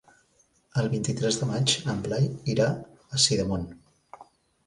El vint-i-tres de maig en Blai irà a Sidamon.